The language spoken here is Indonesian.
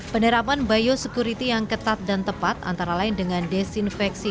penerapan biosecurity yang ketat dan tepat antara lain dengan desinfeksi